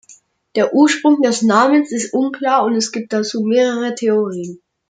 Der Ursprung des Namens ist unklar und es gibt dazu mehrere Theorien.